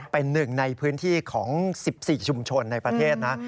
เป็นหนึ่งในพื้นที่ของ๑๔ชุมชนในประเทศนะ